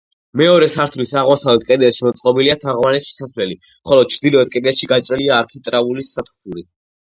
მეორე სართულის აღმოსავლეთ კედელში მოწყობილია თაღოვანი შესასვლელი, ხოლო ჩრდილოეთ კედელში გაჭრილია არქიტრავული სათოფური.